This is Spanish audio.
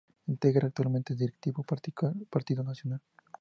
Integra actualmente el Directorio del Partido Nacional.